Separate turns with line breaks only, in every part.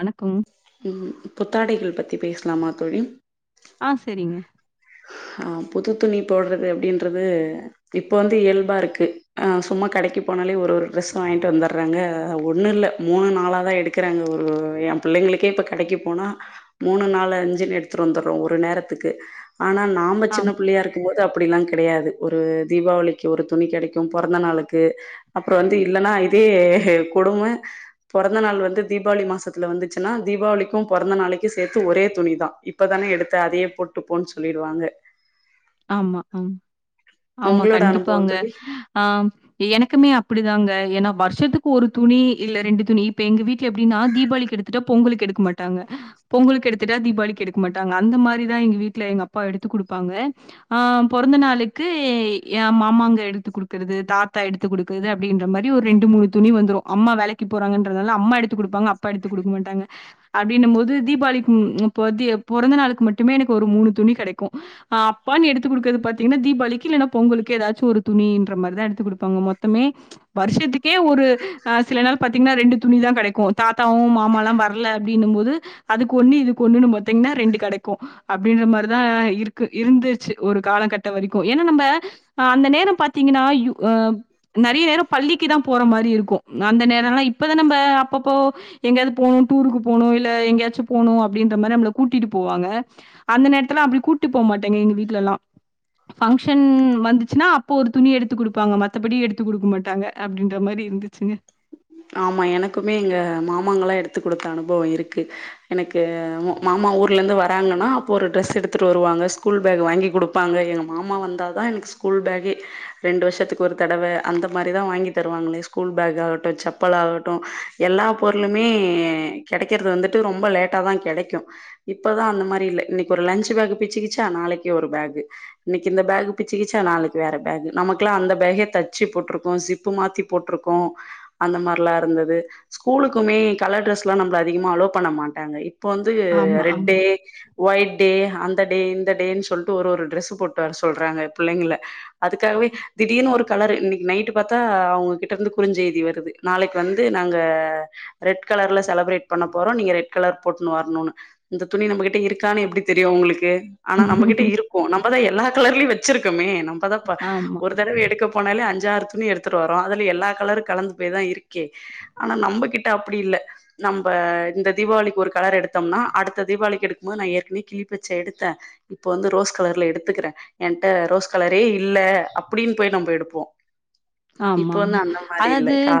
வணக்கம்.
உம் புத்தாடைகள் பத் தி பேசலாமா தோழி
ஆ செரிங்க
புது துணி போட்றது அப்டின்றது இப்போ வந்து இயல்பாருக்கு சும்மா கடைக்கு போனாலே ஒரு ஒரு ட்ரெஸ்‌ வாங்கிட்டு வந்துட்றாங்க ஒன்னு இல்ல மூணு நாளா தா எடுக்குறாங்க ஒரு என் பிள்ளைங்களுக்கே இப்போ கடைக்கு போனா மூணு நாலு அஞ்சுனு எடுத்துட்டு வந்துட்றோ ஒரு நேரத்துக்கு ஆனா நாம சின்ன
ஆம்.
பிள்ளயா இருக்கூ போது அப்டிலா கெடையாது ஒரு தீபாவளிக்கு ஒரு துணி கெடைக்கூ பொறந்த நாளுக்கு அப்றோ வந்து இல்லன்னா இதே கொடும பொறந்த நாள் வந்து தீபாவளி மாசத்துல வந்துச்சுன்னா தீபாவளிக்கூ பொறந்த நாளைக்கூ சேத்து ஒரே துணி தா இப்பதானே எடுத்த அதயே போட்டு போன்னு சொல்லிடுவாங்க
ஆமா ஆமா ஆமா
உங்களோட அனுபவோ
கண்டிப்பாங்க
தோழி
ஆ எனக்குமே அப்டிதாங்க ஏன்னா வருஷத்துக்கு ஒரு துணி இல்ல ரெண்டு துணி இப்ப எங்க வீட்ல எப்டின்னா தீபாவளிக்கு எடுத்துட்டா பொங்கலுக்கு எடுக்க மாட்டாங்க பொங்கலுக்கு எடுத்துட்டா தீபாவளிக்கு எடுக்க மாட்டாங்க அந்த மாரிதா எங்க வீட்ல எங்க அப்பா எடுத்து குடுப்பாங்க ஆ பொறந்த நாளுக்கு ஏ மாமாங்க எடுத்து குடுக்குறது தாத்தா எடுத்து குடுக்குறது அப்டின்ற மாரி ஒரு ரெண்டு மூணு துணி வந்துரூ அம்மா வேலைக்கு போறாங்கன்றதுனால அம்மா எடுத்து குடுப்பாங்க அப்பா எடுத்து குடுக்க மாட்டாங்க அப்டின்ன போது தீபாவளிக்கு இப்ப வந்து பொறந்த நாளுக்கு மட்டுமே எனக்கு ஒரு மூணு துணி கெடைக்கூ அப் பானு எடுத்துக் குடுக்குறது பாத்தீங்கன்னா தீபாவளிக்கு இல்லன்னா பொங்கலுக்கு ஏதாச்சு ஒரு துணின்ற மாரிதா எடுத்து குடுப்பாங்க மொத்தமே வருஷத்துக்கே ஒரு ஆ சில நாள் பாத்தீங்கன்னா ரெண்டு துணி தா கெடைக்கூ தாத்தாவு மாம லா வரல அப்டின்னு போது அதுக்கு ஒண்ணு இதுக்கு ஒண்ணு நம்ப பாத்தீங்கனா ரெண்டு கெடைக்கூ அப்டின்ற மாரி தா இருக்கு இருந்து ச்சு ஒரு காலகட்டோ வரைக்கூ ஏன்னா நம்ம அந்த நேரோ பாத்தீங்கன்னா ஆ நெறைய நேரோ பள்ளிக்குதா போற மாரி இருக்கூ அந்த நேரோலா இப்பதா நம்ம அப்பப்போ எங்கேயாது போனு டூருக்கு போனு இல்ல எங்கயாச்சு போணு அப்டின்ற மாரி நம்மள கூட்டிட்டு போவாங்க அந்த நேரத்தெல்லா அப்ப கூட்டிட்டு போக மாட்டாங்க எங்க வீட் லலா ஃபங்ஷன் வந்துச்சுன்னா அப்போ ஒரு துணி எடுத்து குடுப்பாங்க மத்தபடி எடுத்து குடுக்க மாட்டாங்க அப்டின்ற மாரி இருந்துச்சுங்க
ஆமா எனக்குமே எங்க மாமாங்கலா எடுத்து குடுத்த அனுபவோ இருக்கு எனக்கு மாமா ஊர்ல இருந்து வராங்கன்னா அப்போ ஒரு ட்ரெஸ் எடுத்துட்டு வருவாங்க ஸ்கூல் பேக் வாங்கி குடுப்பாங்க எங்க மாமா வந்தா தா எனக்கு ஸ்கூல் பேக்கே ரெண்டு வருஷத்துக்கு ஒரு தடவ அந்த மாரிதா வாங்கி தருவாங்களே ஸ்கூல் பேக் சப்பல் ஆகட்டூ எல்லா பொருளுமே கெடைக்கிறது வந்துட்டு ரொம்ப லேட்டா தா கெடைக்கூ இப்பதா அந்த மாரி இல்ல இன்னைக்கு ஒரு லஞ்ச் பேக் பிச்சுக்கிச்சா நாளைக்கே ஒரு பேக்கு இன்னைக்கு இந்த பேக் பிச்சுக்கிச்சா நாளைக்கு வேற பேக் நமக்கெல்லா அந்த பேக்கே தச்சு போட்ருக்கோ ஜிப்பு மாத்தி போட்ருக்கோ அந்த மாரிலா இருந்தது ஸ்கூலுக்குமே கலர் ட்ரெஸ்லா நம்ள அதிகமா அலோ பண்ண மாட்டாங்க இப்போ வந்து
ஆமா,
ரெட் டே
ஆமா.
ஒயிட் டே அந்த டே இந்த டேன்னு சொல்ட்டு ஒரு ஒரு ட்ரெஸ்ஸூ போட்டு வர சொல்றாங்க பிள்ளைங்கள அதுக்காகவே திடீர்னு ஒரு கலரு இன்னைக்கு நைட்டு பாத்தா அவுங்ககிட்ட இருந்து குறுஞ்செய்தி வருது நாளைக்கு வந்து நாங்க ரெட் கலர்ல செலப்ரேட் பண்ண போறோ நீங்க ரெட் கலர் போட்டுன்னு வரணுனு இந்த துணி நம்ம கிட்ட இருக்கானு எப்டி தெரியு அவுங்களுக் கு ஆனா நம்மகிட்ட இருக்கூ நம்மதா எல்லா கலர்லயு வச்சிருக்கோமே நம்மதா
ஆமா,
ஒரு தடவ எடுக்க போனாலே அஞ் சாறு துணி எடுத்துட்டு வரோ அதுல எல்லா கலரு கலந்து ப்ப தா இருக்கே ஆனா நம்பகிட் அப்படி இல்ல நம் இப்ப இந்த தீபாவளிக்கு ஒரு கலர் எடுத்தோம்னா அடுத்த தீபாவளிக்கு எடுக்கு போது நா ஏற்கனவே கிளிப்பச்ச எடுத்தே இப்ப வந்து ரோஸ் கலர்ல எடுத்துக்கிறே என்கிட்ட ரோஸ் கலரே இல்ல அப்படின்னு போய் நம்ப எடுப்போ
ஆமா
இப்ப வந்து
ஆமா
அந்த மாரி இல்ல
அதாவது
கா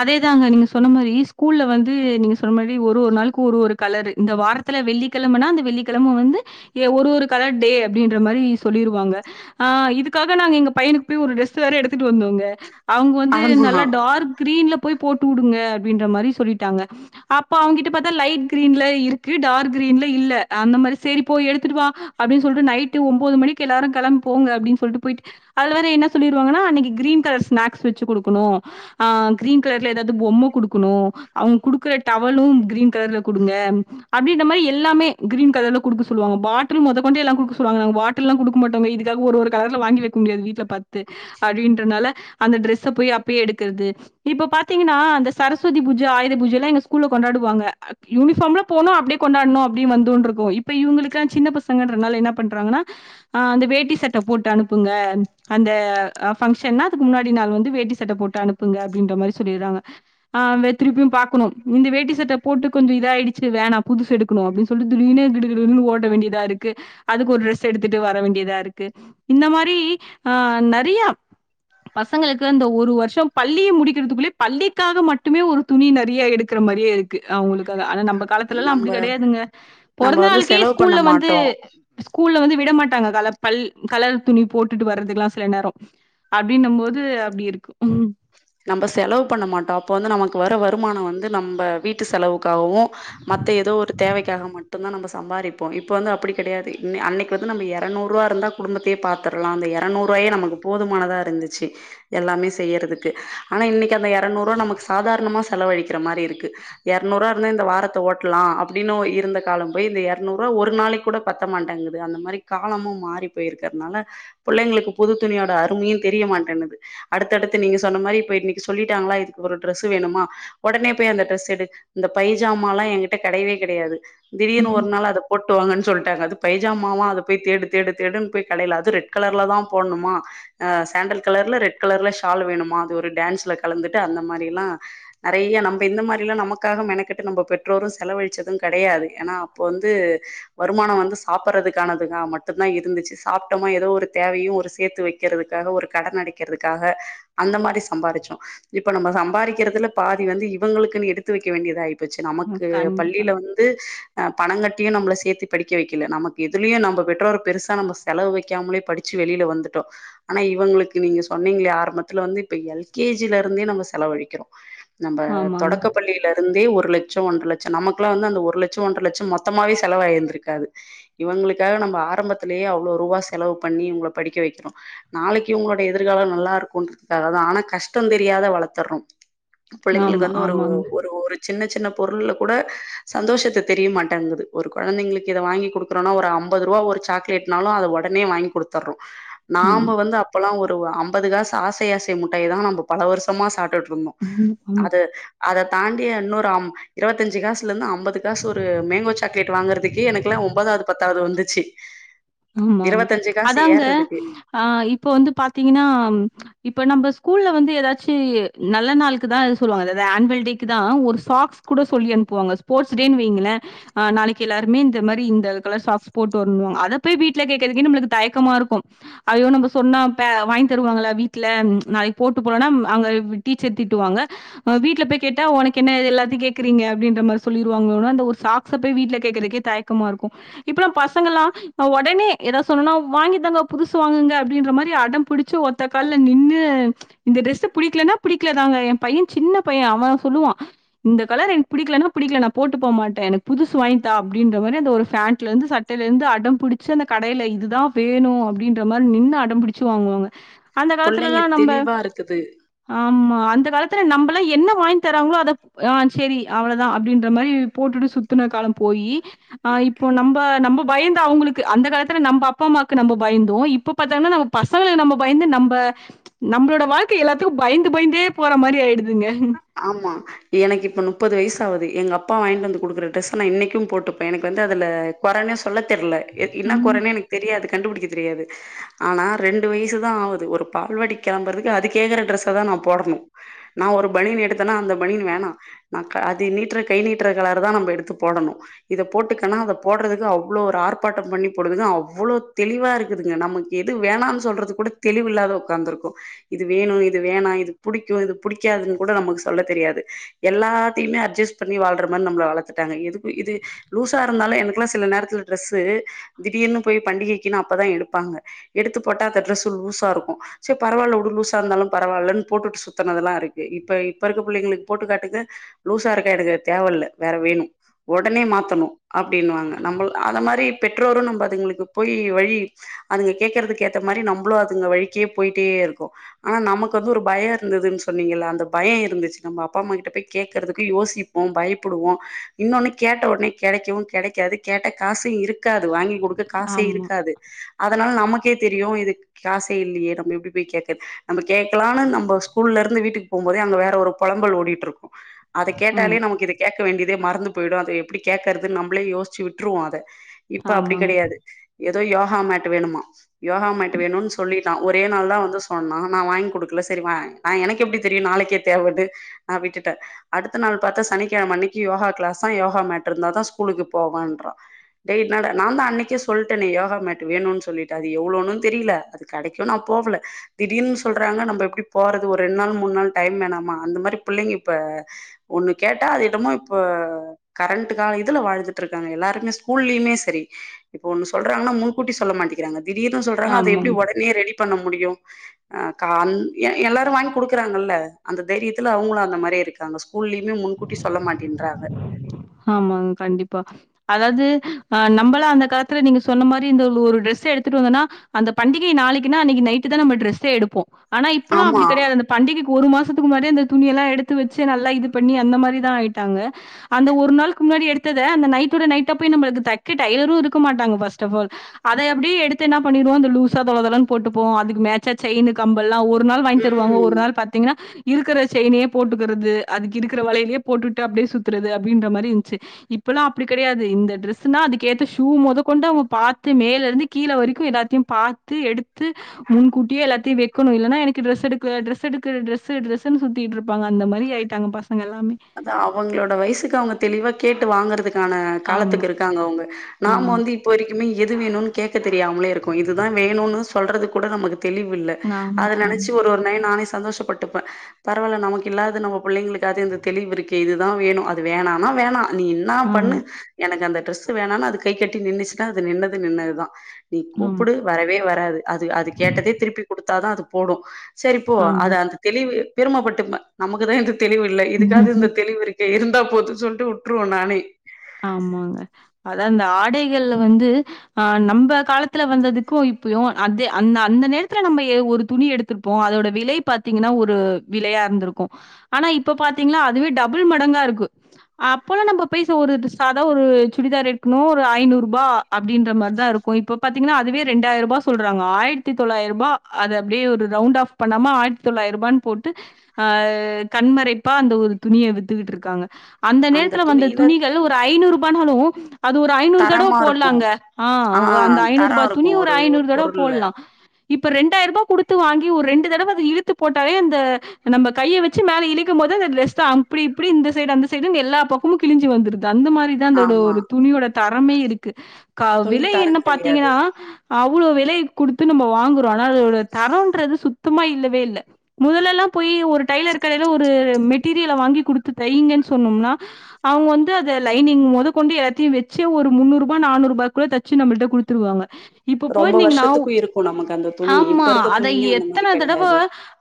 அதேதாங்க நீங்க சொன்ன மாரி ஸ்கூல்ல வந்து நீங்க சொல் மாதிரி ஒரு ஒரு நாளுக்கு ஒரு ஒரு கலர் இந்த வாரத்துல வெள்ளிக்கெழமன்னா அந்த வெள்ளிக்கெழம வந்து ஏ ஒரு ஒரு கலர் டே அப்படின்ற மாதிரி சொல்லிருவாங்க ஆ இதுக்காக நாங்க எங்க பையனுக்கு போய் ஒரு டிரெஸ் வேற எடுத்துட்டு வந்தோங்க அவங்க வந்து
ஆமா
நல்லா டார்க் கிரீன்ல போய் போட்டு விடுங்க அப்படின்ற மாதிரி சொல்லிட்டாங்க அப்ப அவங்க கிட்ட பாத்தா லைட் க்ரீன்ல இருக்கு டார்க் கிரீன்ல இல்ல அந்த மாரி சேரி போய் எடுத்துட்டு வா அப்டின்னு சொல்லிட்டு நைட்டு ஒம்பது மணிக்கு எல்லாரும் கெளம்போங்க அப்படீனு சொல்லிட்டு போயிட்டு அதுல வேற என்ன சொல்லிருவாங்கன்ன அன்னைக்கு க்ரீன் கலர்ஸ் ஸ்னாக்ஸ் வச்சு குடுக்கணும் அ க்ரீன் கலர்ல்ல ஏதாவது பொம்ம குடுக்கணும் அவங்க குடுக்கற டவலும் கிரீன் கலர்ல குடுங்க அப்டின்ற மாரி எல்லாமே கிரீன் கலர்ல குடுக்க சொல்வாங்க பாட்டில் மொதக்கொண்டு எல்லாம் குடுக்க சொல்லுவாங்க பாட்லாம் குடுக்க மாட்டோம் இதுக்காக ஒரு ஒரு கலர்ல வாங்கி வைக்க முடியாது வீட்ல பத்து அடின்றனால அந்த டிரெஸ்ச போய் அப்பயே எடுக்கிறது இப்ப பாத்தீங்கன்னா அந்த சரஸ்வதி பூஜ ஆயுத பூஜ எல்லாம் எங்க ஸ்கூல்ல கொண்டாடுவாங்க யூனிஃபார்ம்ல போனோ அப்படியே கொண்டாடனும் அப்பின்னு வந்தோன்னு இருக்கும் இப்ப இவங்களுக்குல்லாம் சின்ன பசங்கன்றனால என்ன பண்றாங்கன்னா அந்த வேட்டி சட்ட போட்டு அனுப்புங்க அந்த ஃபங்ஷன்னா முன்னாடி நாள் வந்து வேட்டி சட்ட போட்டு அனுப்புங்க அப்படின்ற மாதிரி சொல்லிடுறாங்க திருப்பியும் பார்க்கணும் இந்த வேட்டி சட்ட போட்டு கொஞ்சம் இதாயிடுச்சு வேணா புதுசு எடுக்கணும் அப்படின்னு சொல்லிட்டு திடீர்னு கிடுகிடுன்னு ஓட வேண்டியதா இருக்கு அதுக்கு ஒரு ட்ரெஸ் எடுத்துட்டு வர வேண்டியதா இருக்கு இந்த மாரி ஆஹ் நெறயா பசங்களுக்கு இந்த ஒரு வருஷம் பள்ளிய முடிக்கிறதுக்குள்ளேயே பள்ளிக்காக மட்டுமே ஒரு துணி நெறய எடுக்கற மாதிரியே இருக்கு அவங்களுக்காக ஆனா நம்ம அப்ப காலத்திலெல்லாம்
நம்ம
அப்படி கிடையாதுங்க
நம்ம
பொறந்த
வந்து
நாளுக்கே
செலவு பண்ண
ஸ்கூல்ல வந்து
மாட்டோ
ஸ்கூல்ல வந்து விட மாட்டாங்க கல பல் கலர் துணி போட்டுட்டு வரதுக்கெல்லாம் சில நேரம் அப்படின்னும் போது அப்படி இருக்குந
நம்ப செலவு பண்ண மாட்டோம் அப்ப வந்து நமக்கு வர வருமானம் வந்து நம்ப வீட்டு செலவுக்காகவும் மத்த ஏதோ ஒரு தேவைக்காக மட்டும்தான் நம்ம சம்பாதிப்போம் இப்ப வந்து அப்படி கிடையாது இ அன்னைக்கு வந்து நம்ம இரநூறு ரூபா இருந்தா குடும்பத்தயே பாத்துரலாம் அந்த இரநூறு ரூவாயே நமக்கு போதுமானதா இருந்துச்சு எல்லாமே செய்யறது ஆனா இன்னைக்கு அந்த இரநூறு ரூபா நமக்கு சாதாரணமா செலவழிக்கிற மாதிரி இருக்கு இரநூறுவா இருந்தா இந்த வாரத்தை ஓட்டலாம் அப்படின்னு இருந்த காலம் போய் இந்த இரநூறுவா ஒரு நாளைக்கு கூட பத்த மாட்டேங்குது அந்த மாதிரி காலமும் மாறி போயிருக்கிறதுனால பிள்ளைங்களுக்கு புது துணியோட அருமயும் தெரிய மாட்டேங்குது அடுத்தடுத்து நீங்க சொ சொன்ன மாதிரி இப்ப இன்னைக்கு சொல்லிட்டாங்களா இதுக்கு ஒரு டிரெஸ் வேணுமா உடனே போய் அந்த டிரெஸ் எடு இந்த பைஜாமால்லாம் எங்கிட்ட கெடயவே கெடையாது திடீர்னு ஒரு
ம்.
நாள் அத போட் ட்டுவாங்கன்னு சொல்லிட்டாங்க அது பைஜாமாவா அத போய் தேடு தேடு தேடுன்னு போய் கடையில அது ரெட் கலர்ல தான் போணுமா அ சேண்டல் கலர்ல ரெட் கலர்ல ஷால் வேணும் மாது ஒரு டான்ஸ்ல கலந்துட்டு அந்த மாதிரியெல்லாம் நெறைய நம்ம இந்த மாதிரில்லாம் நமக்காக மெனக்கட்டு நம்ம பெற்றோரும் செலவழிச்சதும் கெடையாது ஏன்னா அப்போ வந்து வருமானம் வந்து சாப்பிடுறதுக்கானதுன்னா மட்டுந்தான் இருந்துச்சு சாப்பிட்டமா ஏதோ ஒரு தேவையும் ஒரு சேத்து வைக்கிறதுக்காக ஒரு கடனடைக்கறதுக்காக அந்த மாரி சம்பாருச்சோம் இப்ப நம்ம சம்பாரிக்கிறதுல பாதி வந்து இவங்களுக்குன்னு எடுத்து த்து வைக்க வேண்டியதா ஆயிப்போச்சு நமக்கு
கண்டிப்பா.
பள்ளியில வந்து ஹ் பணங்கட்டியும் நம்மள சேத்து படிக்க வைக்கல நமக்கு எதுலயும் நம்ம பெற்றோரு பெருசா நம்ம செலவு வைக்காமலே படிச்சு வெளியில வந்துட்டோம் ஆனா இவங்களுக்கு நீங்க சொன்னீங்களே ஆரம்ப தில வந்து இப்ப எல் கே ஜி ல இருந்தே நம்ம செலவழிக்கிறோம் நம்ப
ஆமாங்க.
தொடக்க பள்ளியில இருந்தே ஒரு ஒரு லட்சம் ஒன்ற லட்சம் நமக்கல்லாம் வந்து அந்த ஒரு லட்சம் ஒன்ற லட்சம் மொத்தமாவே செலவாயிருந்திருக்காது இவளுக்காக நம்ம ஆரம்பத்திலேயே அவ்ளோ ரூபா செலவு பண்ணி இவங்கள படிக்க வைக்கிறோம் நாளைக்கு இவங்களோட எதிர்காலம் நல்லா இருக்குன்ற அத அதான் ஆனா கஷ்டம் தெரியாத வளர்த்தர்றோம் புள்ளைங்களுக்கு
ஆமா,
வந்து ஒரு
ஆமாங்க.
ஒரு ஒரு சின்ன சின்ன பொருள்ள கூட சந்தோஷத்த தெரியமாட்டேங்குது ஒரு குழந்தைங்களுக்கு இத வாங்கி குடுக்குறோன்னா ஒரு ஐம்பது ரூபா ஒரு சாக்லேட்னாலும் அத உடனே வாங்கி குடுத்துர்றோம்
ஆமா. ம்.
நாம வந்து அப்பலாம் ஒரு ஒ ஐம்பது காசு ஆஸ் சை ஆசை முட்டாய் தான் நம்ம பல வருஷமா சாட்டுட்டு ஆமா அது அத தாண்டி இன்னோரு ஆம் இருபத்தஞ்சு காசு ல இருந்து ஐம்பது காசு ஒரு மேங்கோ சாக்லேட் வாங்குறக்கு எனக்குல ஒன்பதாவது பத்தாவது வந்துச்சு
ஆமா ஆமா
இருவத்தஞ்சு காசு
அதாங்க
ஏர்றதுக்கு
ஆஹ் இப்ப வந்து பாத்தீங்கன்னா இப்ப நம்ம ஸ்கூல்ல வந்து ஏதாச்சும் நல்ல நாளுக்குதான் சொல்லுவாங்காவது ஆனுவல் டேக்கு தான் ஒரு சாக்ஸ் கூட சொல்லி அனுப்புவாங்க ஸ்போர்ட்ஸ் டே வைங்களே நாளைக்கு எல்லாருமே இந்த மாதிரி இந்த கலர் சாக்ஸ் போட்டு வரணும் அத போய் வீட்டுல கேறதுக்கே நம்மளுக்கு தயக்கமா இருக்கும் அயோ நம்ம சொன்னா வாங்கி தருவாங்களா வீட்ல நாளைக்கு போட்டு போனலனா அங்க டீச்சர் திட்டுவாங்க வீடல போய் கேட்டா உனக்கு என்ன எல்லாத்தையும் கேக்குறீங்க அப்படின்ற மாதிரி சொல்லிருவாங்க அந்த ஒரு சாக்ஸ போய் வீட்ல கேக்குறது தயக்கமா இருக்கும் இப்பல்லாம் பசங்க எல்லாம் உடனே ஏதாவது சொன்னும்னா வாங்கி தாங்க புதுசு வாங்குங்க அப்படின்ற மாதிரி அடம் புடிச்சு ஒத்த கால்ல நின்னு இந்த டிரரெஸ் புடிக்கலன்னா புடிக்கலதாங்க என் பையன் சின்ன பையன் அவன் சொல்லுவான் இந்த கலர் எனக்கு பிடிக்லனா பிடிக்ல நா போட் டு போ மாட்டே எனக்கு புதுசு வாங் தா அப்டின்ற மாரி அந்த ஒரு ஃபேண்ட்லந்து சட்டைலேந்து அடம் புடிச்சு அந்த கடைல இதுதா வேணு அப்டின்ற மாரி நின்னு அடம்பிடிச்சு வாங்குவாங்க அந்த காலத்துலலா
புள்ளைங்க
நம்ம
தெளிவா இருக்குது
ஆமா அந் காலத்துல நம்பலா என்ன வாங்கி தராங்களோ அத ஆ செரி அவ்ளதா அப்டின்ற மரி போட்டுட்டு சுத்துன கால போயி ஆ இப்போ நம்ப நம்ப பயந்து அவங்குளுக் கு அந்த காலத்துல நம்ப அப்பாம்மாக்கு நம்ப பயந்தோ இப்ப பத்தங்னா நம்ம பசங்ளுக்கு நம்ப பயந்து நம்ப நம்ளோட வாழ்க்க எல்லாத்துக்கு பயந்து பயந்தே போற மாரி ஆயிடுது
ஆமா எனக்கு இப்ப முப்பது வய்ஸ் ஆவுது எங்கப்பா வாங்ட் வந்து குடுக்ற டிரஸ்ஸ நா இன்னைக்கு போட்டுப்பே எனக்கு வந்து அதுல கொறனே சொல்ல தெர்ல என் என்ன
ம்.
கொறனே எனக்கு தெரியாது கண்டுபுடிக்க தெரியாது ஆனா ரெண்டு வய்சுதா ஆவுது ஒரு பால்வாடி கெளம்பர்துக்கு அது கேக்கற டிரஸ தா நா போடணு நா ஒரு பனியன் எடுத்தனா அந்த பனியன் வேணா நா அது நீட்ற கை நீட்ற கலரு தா நம்ப எடுத்து போடணு இத போட்டுக்கன்னா அத போட்றதுக்கு அவ்ளோ ஒரு ஆர்ப்பாட்ட பண்ணி போடுதுங்க அவ்ளோ தெளிவாருக்குதுங்க நமக்கு எது வேணான் சொல்றது கூட தெளிவில்லாத உக்காந்துருக்கோ இது வேணு இது வேணா இது புடிக்கு இது புடிக்காது கூட நமக்கு சொல்ல தெரியாது எல்லாத்தியுமே அட்ஜஸ்ட் பண்ணி வாழ்ற மாரி நம்ள வளத்துட்டாங்க எதுக்கு இது லூசாருந்தாலு எனக்குலா சில நேரத்துல டிரஷூ திடீர்னு போய் பண்டிகைக்குனா அப்பதா எடுப்பாங்க எடுத்து போட்டா அந்த டிரஷு லூசாருக்கு சே பரவால்ல வுடு லூசாருந்தாலு பரவால்லன் போட்டுட்டு சுத்துனதுலா இருக் இப்ப இப்பருக்க புள்ளைங்களுக்கு போட்டு காட்டுங்க லூசாருக்கா எனக்கு அது தேவல்ல வேற வேணு ஒடனே மாத்தணு அப்டின்வாங்க நம்ளு அத மாரி பெற்றோரு நம்ம அதுங்களுக்கு போய் வழி அதுங்க கேக்கறதுக்கு ஏத்த மாரி நம்புளு அதுங்க வழிக்கே போயிட்டேருக்கோ ஆனா நமக்கு வந்து ஒரு பயம் இருந்ததுன் சொ ன்னீங்லா அந்த பயம் இருந்துச்சு நம்ப அப்பாம்மா கிட்ட போய் கேக்குறதுக்கு யோசிப்போ பயப்படுவோ இன்னொன்னு கேட்ட ஒன்னே கெடைக்கவு கெடைக்காது கேட்ட காசு இருக் க்காது வாங்கி குடுக்க காசே
ஆமா,
இருக்காது அ அதனால நமக்கே தெரியு இதுக்கு காசே இல்லையே நம்ப எப்டி போய் கேக்கது நம்ம கேக்லானு நம்ம ஸ்கூல்லரு ந்து வீட்டுக் போம்போதே அங்க வேற ஒரு பொலம்பல் ஓடிட்டுருக்கு அத கேட்டாலே
ஆமா,
நமக்கிது கேக்க வேண்டிது தே மறந்து போயிடு அத எப்டி கேக்கர்து நம்லே யோசிச்சு விட்ருவோ அத இப்ப அப்டி
ஆமாங்க,
கெடையாது எ தோ யோகா மேட் வேணுமா யோகா மேட் வேணுன் சொல்லிட்டா ஒரே நாள் தா வந்து சொன்னா நா வாங்கி குடுக்கல சரி வா நா எனக்கு எப்டி தெரியு நாளைக்கே தேவன்னு நா விட்டுட்ட அடுத்த நாள் பாத்தா சனிக்கெழம அன்னைக்கு யோகா கிளாஸா யோகா மேட்ருந்தா தா ஸ்கூலுக்கு போவன்றா டேய் என்னடா நா தா அன்னைக்கே சொல்ட்டனே யோகா மேட் வேணுன் சொல்லிட்டு அது எவ்ளோனு தெரில அது கடைக்கு நா போகல திடீர்னு சொல்றாங்க நம்ப எப்டி போறது ஒரு ரெண்ட் நாள் மூண் நாள் டைம் வேணாமா அந்த மாரி புள்ளைங்க இப்ப ஒண்ணு கேட்டா அது என்னமோ இப்ப கரண்ட்டு கால இதுல வாழ்ந்துட்ருக்காங்க எல்லாருமே ஸ்கூல்லியுமே செரி இப்ப ஒன்னு சொல்றாங்னா முன்கூட்டி சொல்ல மாட்டி கிறாங்க திடீர்னு சொல்றாங்க அத
ஆமாங்க.
எப்டி ஒடனே ரெடி பண்ண முடியு அ கான் எல் எல்லாரு வாங்கி குடுக்குறாங்கல்ல அந்த தைரியத்துல அவங்களு அந்த மாரியே இருக்காங்க ஸ்கூல்லயுமே முன்கூட்டி சொல்ல மாட்டேன்றாங்க
ஆமாங் கண்டிப்பா அதாது அ நம்பலா அந்த காலத்துல நீங்க சொன்ன மாரி இந்த ஒரு டிரெஸ எடுத்துட்டு வந்தன்னா அந்த பண்டிகை நாளைக்குனா அன்னைக்கு நைட்டு தா நம்ம டிரஸ்சே எடுப்போ ஆனா இப்பல்லா அப்டி
ஆமா
கெடையாது அந்த பண்டிகை ஒரு மாசத்துக்கு முன்னாடியே அந்த துணியெல்லா எடுத்து வச்சு நல்லா இது பண்ணி அந்த மாரி தா ஆய்ட்டாங்க அந்த ஒரு ஒரு நாள் க்கு முன்னாடி எடுத்தத அந்த நைட்டோட நைட்டா போய் நம்ளுக்கு தக்க டைலரு இருக்க மாட்டாங்க ஃபஸ்ட் ஆஃப் ஆல் அத அப்டியே எடுத்து என்னா பண்ணிருவோ அப்டியே லூசா தொலதொலன் போட்டு போவோ அதுக்கு மேட்ச்சா செயினு கம்பல் எல்லா ஒரு நாள் வாங்கி தருவாங்க
ம்
ஒரு நாள் பாத்தீங்னா இருக்கற செயினயே போட்டுக்கறது அதுக்கு இருக்கற வளயலயே போட்டுட்டு அப்டியே சுத்துறது அப்ப அப்டின்ற மாரி ந்துச்சு இப்பல்லா அப்டி கெடையாது இந்த ட்ரெசூ னா அதுக்கேத்த ஷூ மொதக்கொண்டு அவுங்க பாத்து மேலருந்து கீழ வரைக்கு எல்லாத்தயு பாத்து எடுத்து முன்கூட்டியே எல்லாத்தயு வைக்கணு இல்லனா எனக்கு ட்ரஸ் எடுக்கல ட்ரஸ் எடுக்கல ட்ரசு ட்ரசுனு சுத்திட்ருப்பாங்க அந்த மரி ஆய்ட்டாங்க பசங்
அதா அவங்ளோட வயசுக்கு அவங்க தெளிவா கேட்டு வாங்கறது கான
ஆமா,
காலத்துக்கு இருக்காங்க அவங்க நாம
ஆமா.
வந்து இப்ப வரைக்குமே எது வேணும்னு கேக் க தெரியாமலே இருக்கோ இதுதா வேணும்னு சொ சொல்றது கூட நமக்கு தெளிவில்ல
ஆமா,
அத நெனைச்சு
ஆமா,
ஒரு ஒரு நை நானே சந்தோஷப்பட்டுப்பே பரவால்ல நமக்கு இல்லாது நம்ம புள்ளைங்களு அதது தெளிவு இருக்கே இதுதா வேணு அது வேனானா வேணா நீ என்னா பண்ணு
ஆமா,
எனக்கு அந்த ட்ரெஸ் வேணானு அது கை கட்டி நின்டுச்சுன்னா அது நின்னது நின்னதுதா நீ
ஆமா,
கூப்புடு வரவே வராது அது அது கேட்டதே திருப்பி கொடு அதா அது போடு சேரிபோ
ஆமா.
அது அந்த தெளிவு பெருமபட்டுப்பா நமக்குதா இந்த தெளிவு இல்ல காது இந்த தெளிவு இரு இருந்தா போது சொல்ட்டு உட்ருவே நானே
கடைகள் வந்து ஆ நம்ம காலத்துல வந்ததுக்கு இப்பயு அத அந்த அந்த நேரத்துல நம்ம ஏ ஒரு துணி எடுத்திருப்போ அதோட விலை பாத்தீங்கன்னா ஒரு விலையா இருந்துருக்கு ஆனா இப்ப பாத்தீங்கன்னா அதுவே டபுள் மடங்கா இருக்கு அப்பல்லா நம்ம பேச ஒரு சதா ஒரு சுடிதார் எடுக்கணு ஒரு ஐநூறு ரூபா அப்டின்ற மாதிரிதா இருக்கு இப்ப பாத்தீங்கன்னா அதுவே ரெண்டாயிரூபா சொல்றாங்க ஆயிரத்தி தொள்ளாயிரூபா அத அப்டியே ஒரு ரவுண்ட் ஆஃப் பண்ணாம ஆயிரத்தி தொள்ளாயிரூபான்னு போட்டு ஆ கண்மறைப்பா அந்த ஒரு துணிய வித்துக்கிட்டு இருக்காங்க அந்த நேரத்துல வந்த துணிகள் ஒரு பத்து ரூபானாலு அது ஒரு ஐநூறு தடவ
தரமா இருக்கு
போட்லாங்க ஆ அந்த
தரோ
ஐநூரூபா
இருக்கு
துணி ஒரு ஐநூறு தடவ
பொருள்ல
போடலா இப்ப ரெண்டாயிரூபா கொடுத்து வாங்கி ஒரு ரெண்டு தடவ அத இழுத்துப் போட்டாலே அந்த நம்ம கைய வச்சு மேல இழுக்கு போது அந்த டிரெஸ் தா அப்டி இப்டி இந்த சைடு அந்த சைடுன்னு எல்லா பக்கமு கிழஞ்சி வந்தரு அந்த மாரிதா அதோட
ஆமா
ஒரு துணியோட த ஆமே இருக்கு கா
துணி
விலை என்ன
தரம் கெடையாது
பத்தீங்கன்னா அவ்ளோ விலை குடுத்து நம்ம வாங்குறோ ஆனா அதோட தரன்றது சுத்தமா இல்லவே இல்ல முதலல்லா போய் ஒரு டைலர் கடையில ஒரு மெட்டீரியல வாங்கி கொடுத்து தைய்ங்கன்னு சொன்னோம்னா அவங்க அதை லைனி்ங் மொத கொண்டு எல்லத்தையு வச்சு ஒரு முன்னூறு ரூபா நானூறுப்குள்ள தச்சு நம்மள்ட்ட குடுத்து தருவாங்க இப்ப
ரொம்ப
போயிருந்தீங்கன்னா
வருஷத்துக்கு இருக்கு நமக்கு அந்த துணி இப்ப
ஆமா
இருக்க
அத
துணிங்க அந்த மாரி
எத்தன தடவ
கெடையாது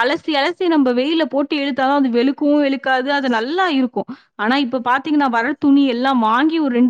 அலசி அலசி த்தி நம்ம வெயில போட்டு எடுத்தாலு அது வெளுக்கு வெளுக்காது அது நல்லா இருக்கு ஆனா இப்ப பாத்தீங்கன்னா வர துணி எல்லாம் வாங்கி ஒரு ரெண்